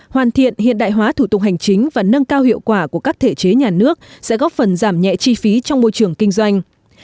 hoàn thiện hiện đại hóa thủ tục hành chính và nâng cao hiệu quả của các thể chế nhà nước sẽ góp phần giảm nhẹ chi phí trong môi trường kinh doanh